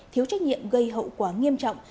thiếu trách nhiệm gây hậu quả nghiêm trọng